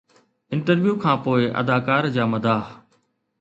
interview کانپوءِ اداڪار جا مداح